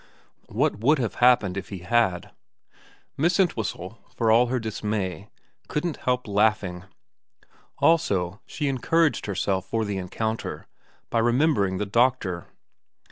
What would have happened if he had ? Miss Entwhistle, for all her dismay, couldn't help laughing. Also, she encouraged herself for the encounter by remembering the doctor.